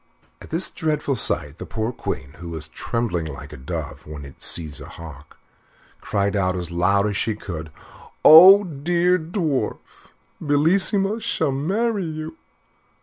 At this dreadful sight, the poor Queen, who was trembling like a dove when it sees a hawk, cried out as loud as she could, "Oh! dear Mr. Dwarf, Bellissima shall marry you."